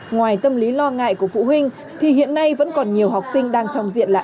ngoài tâm lý lo ngại của phụ huynh thì hiện nay vẫn còn nhiều học sinh đang trong diện là